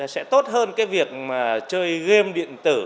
sẽ tốt hơn cái việc mà chơi game điện tử